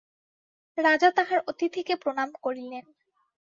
রাজা তাঁহার অতিথিকে প্রণাম করিলেন।